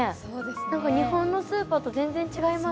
何か日本のスーパーと全然違います。